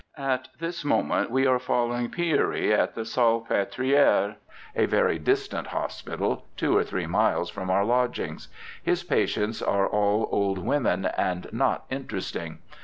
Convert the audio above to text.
At this moment we are following Piorry at the Salpetriere, a very distant hospital, two or three miles from our lodgings ; his patients are all old women, and not interesting.